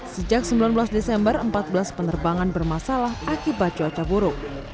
sejak sembilan belas desember empat belas penerbangan bermasalah akibat cuaca buruk